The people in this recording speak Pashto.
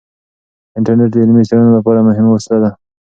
انټرنیټ د علمي څیړنو لپاره مهمه وسیله ده.